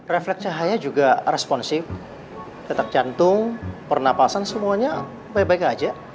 refleks cahaya juga responsif detak jantung pernapasan semuanya baik baik aja